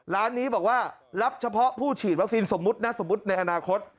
ร้านนี้บอกว่ารับเฉพาะผู้ฉีดวัคซีนสมมุตินะสมมุติในอนาคต